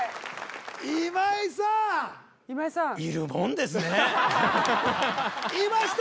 今井さんいました！